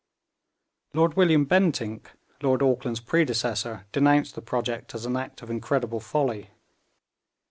Lord William Bentinck, Lord Auckland's predecessor, denounced the project as an act of incredible folly.